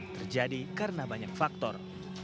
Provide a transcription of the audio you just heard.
terjadi karena banyak faktor